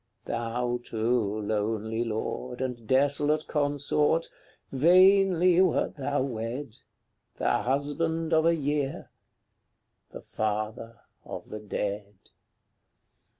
Thou, too, lonely lord, And desolate consort vainly wert thou wed! The husband of a year! the father of the dead!